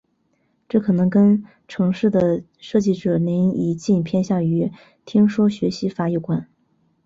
这可能跟程式的设计者林宜敬偏向于听说学习法有关。